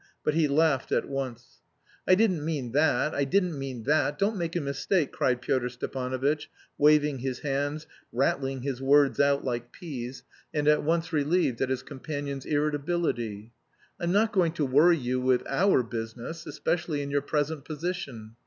But he laughed at once. "I didn't mean that, I didn't mean that, don't make a mistake," cried Pyotr Stepanovitch, waving his hands, rattling his words out like peas, and at once relieved at his companion's irritability. "I'm not going to worry you with our business, especially in your present position.